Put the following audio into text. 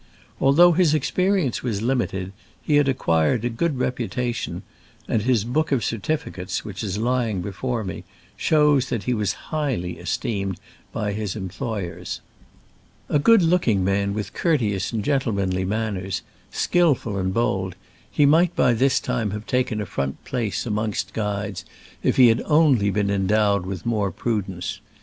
Although his experience was limited, he had ac quired a good reputation ; and his book of certificates, which is lying before me, shows that he was highly esteemed by his employers. A good looking man, with courteous, gentlemanly manners. Digitized by Google SCRAMBLES AMONGST THE ALPS IN i86o '69. 39 skillful and bold, he might by this time have taken a front place amongst guides if he had only been endowed with more prudence.